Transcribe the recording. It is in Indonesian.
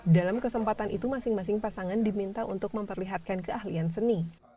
dalam kesempatan itu masing masing pasangan diminta untuk memperlihatkan keahlian seni